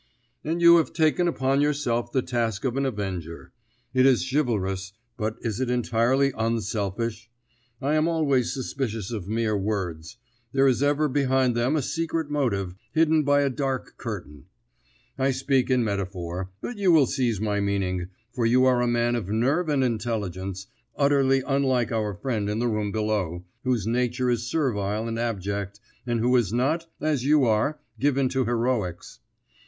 "And you have taken upon yourself the task of an avenger. It is chivalrous, but is it entirely unselfish? I am always suspicious of mere words; there is ever behind them a secret motive, hidden by a dark curtain. I speak in metaphor, but you will seize my meaning, for you are a man of nerve and intelligence, utterly unlike our friend in the room below, whose nature is servile and abject, and who is not, as you are, given to heroics.